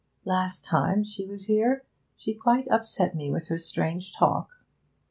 'Last time she was here she quite upset me with her strange talk.'